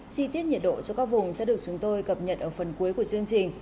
chi tiết nhiệt độ cho các vùng sẽ được chúng tôi cập nhật ở phần cuối của chương trình